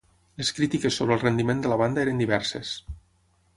Les crítiques sobre el rendiment de la banda eren diverses.